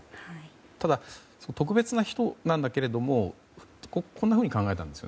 ただ、特別な人なんだけれどもこんなふうに考えたんです。